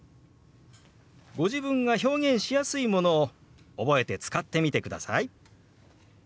ご自分が表現しやすいものを覚えて使ってみてください。